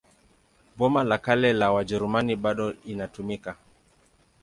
Boma la Kale la Wajerumani bado inatumika.